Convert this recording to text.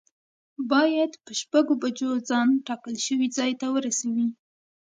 باید په شپږو بجو ځان ټاکل شوي ځای ته ورسوی.